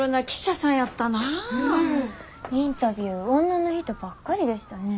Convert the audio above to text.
インタビュー女の人ばっかりでしたね。